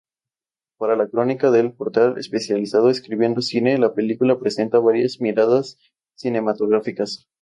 Para la crónica del portal especializado "Escribiendo Cine", la película presenta varias miradas cinematográficas.